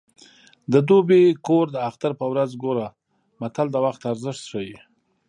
د دوبي کور د اختر په ورځ ګوره متل د وخت ارزښت ښيي